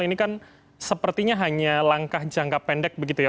ini kan sepertinya hanya langkah jangka pendek begitu ya